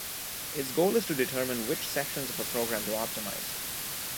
Its goal is to determine which sections of a program to optimize.